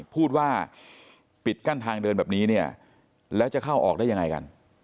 พูดว่าปิดกั้นทางเดินแบบนี้เนี่ยแล้วจะเข้าออกได้ยังไงกัน